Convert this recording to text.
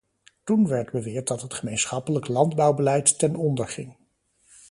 Toen werd beweerd dat het gemeenschappelijk landbouwbeleid ten onder ging.